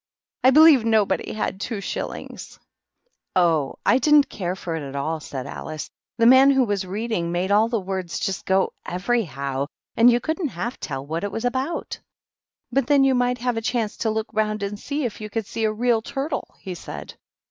I believe nobody had two shil lings." "Oh, I didn't care for it at all!" said Alice. "The man who was reading made all the words go just everyhoWj and you couldn't half tell what it was about." "But, then, you might have a chance to look round and see if you could see a Real Turtle," he said.